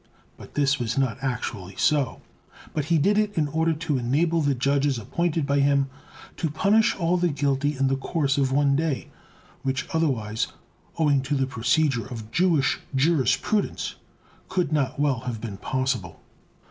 This was not actually so, but he did it in order to enable the judges appointed by him to punish all the guilty in the course of one day, which otherwise, owing to the procedure of Jewish jurisprudence, could not well have been possible.